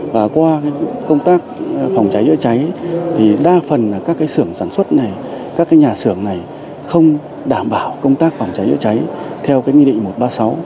và qua công tác phòng cháy chữa cháy thì đa phần là các xưởng sản xuất này các nhà xưởng này không đảm bảo công tác phòng cháy chữa cháy theo nghị định một trăm ba mươi sáu